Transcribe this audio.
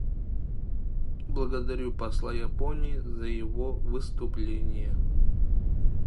Благодарю посла Японии за его выступление.